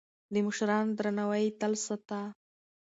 د مشرانو درناوی يې تل ساته.